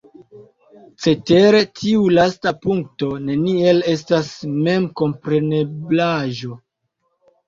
Cetere, tiu lasta punkto neniel estas memkompreneblaĵo.